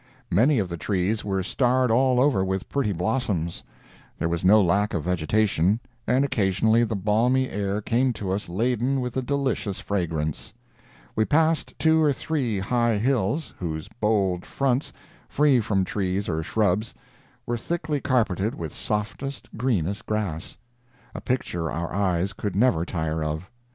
Many of the trees were starred all over with pretty blossoms. There was no lack of vegetation, and occasionally the balmy air came to us laden with a delicious fragrance. We passed two or three high hills, whose bold fronts, free from trees or shrubs, were thickly carpeted with softest, greenest grass—a picture our eyes could never tire of.